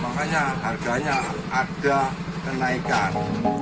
makanya harganya ada kenaikan